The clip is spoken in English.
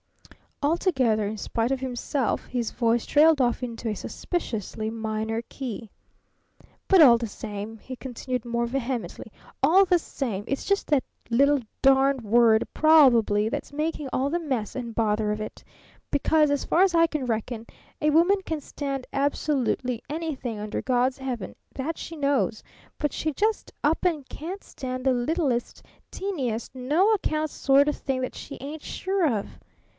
Altogether in spite of himself, his voice trailed off into a suspiciously minor key. "But all the same," he continued more vehemently, "all the same it's just that little darned word 'probably' that's making all the mess and bother of it because, as far as I can reckon, a woman can stand absolutely anything under God's heaven that she knows; but she just up and can't stand the littlest, teeniest, no account sort of thing that she ain't sure of.